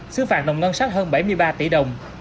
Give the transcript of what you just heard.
xử phạt và ngợp ngân sách hơn bảy mươi ba tỷ đồng